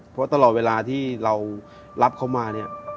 เพราะตลอดเวลาที่เรารับเขามาเนี่ย